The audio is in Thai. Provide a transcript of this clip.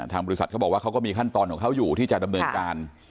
บริษัทเขาบอกว่าเขาก็มีขั้นตอนของเขาอยู่ที่จะดำเนินการ